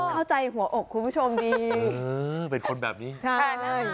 เข้าใจหัวอกคุณผู้ชมดีเออเป็นคนแบบนี้ใช่เลย